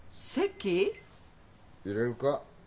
入れるか？